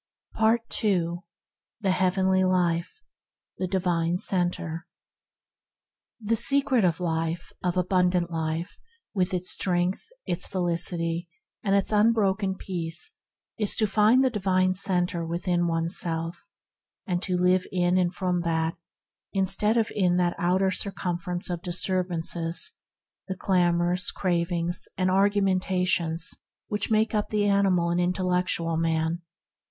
PART II THE HEAVENLY LIFE THE DIVINE CENTRE The secret of life, of abundant life, with its strength, its felicity, and its unbroken peace, is to find the Divine Centre within oneself and to live in and from that, instead of in that outer circumference of disturb ances — the clamors, cravings, and argu mentations that make up the animal and intellectual man.